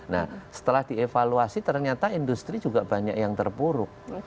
nah setelah dievaluasi ternyata industri juga banyak yang terpuruk